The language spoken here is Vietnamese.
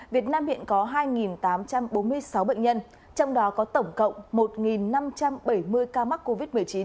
việt nam hiện có hai tám trăm bốn mươi sáu bệnh nhân trong đó có tổng cộng một năm trăm bảy mươi ca mắc covid một mươi chín